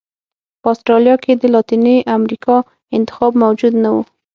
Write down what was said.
په اسټرالیا کې د لاتینې امریکا انتخاب موجود نه و.